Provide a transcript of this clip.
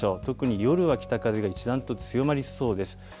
特に夜は北風が一段と強まりそうです。